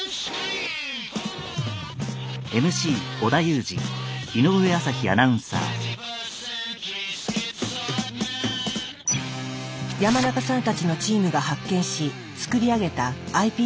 山中さんたちのチームが発見し作り上げたｉＰＳ細胞。